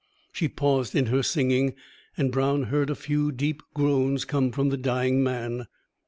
She paused in her singing, and Brown heard a few deep groans come from the dying man.